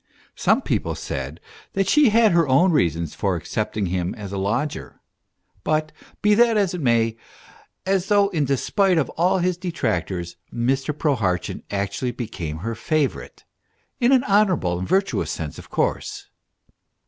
Some people said that she had her own reasons for accepting him as a lodger ; but, be that as it may, as though in despite of all his detractors, Mr. Prohartchin actually became her favourite, in an honourable and virtuous sense, of course.